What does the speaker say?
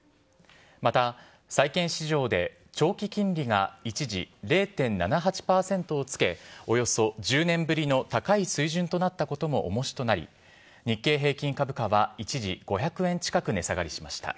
また、債券市場で長期金利が一時０．７８％をつけ、およそ１０年ぶりの高い水準となったこともおもしとなり、日経平均株価は一時５００円近く値下がりしました。